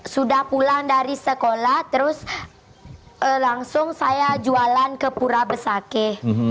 sudah pulang dari sekolah terus langsung saya jualan ke pura besake